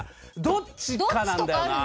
どっちかなんだよな。